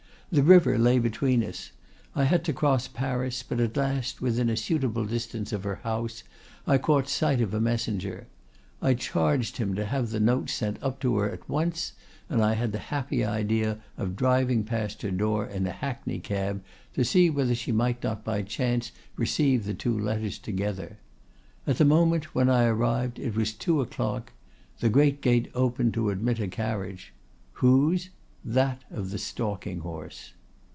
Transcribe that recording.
The river lay between us. I had to cross Paris; but at last, within a suitable distance of her house, I caught sight of a messenger; I charged him to have the note sent up to her at once, and I had the happy idea of driving past her door in a hackney cab to see whether she might not by chance receive the two letters together. At the moment when I arrived it was two o'clock; the great gate opened to admit a carriage. Whose?—That of the stalking horse!